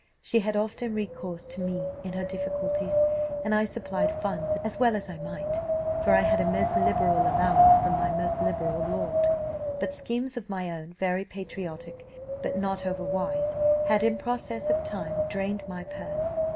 She had often recourse to me in her difficulties, and I supplied funds, as well I might, for I had a most liberal allowance from my most liberal lord; but schemes of my own, very patriotic but not overwise, had in process of time drained my purse.